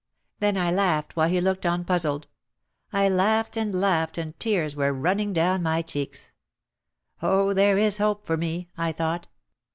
Then I laughed while he looked on puz zled. I laughed and laughed and tears were running down my cheeks. "Oh, there is hope for me," I thought.